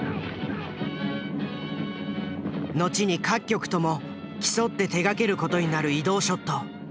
後に各局とも競って手がける事になる移動ショット。